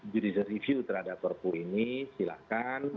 judis review terhadap perpul ini silakan